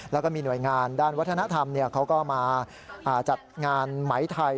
แล้วก็มีหน่วยงานด้านวัฒนธรรมเขาก็มาจัดงานไหมไทย